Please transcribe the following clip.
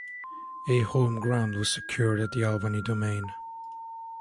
A 'home' ground was secured at the Albany Domain.